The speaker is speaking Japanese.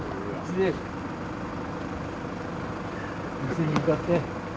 店に向かって。